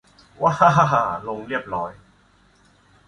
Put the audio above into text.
วะฮะฮะฮ่า ลง เรียบโร้ย